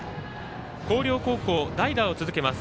広陵高校、代打を続けます。